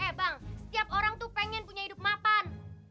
eh bang setiap orang tuh pengen punya hidup mapan